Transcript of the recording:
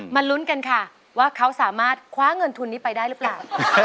ลุ้นกันค่ะว่าเขาสามารถคว้าเงินทุนนี้ไปได้หรือเปล่า